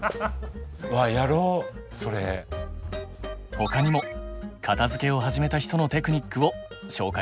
他にも片づけを始めた人のテクニックを紹介しますね。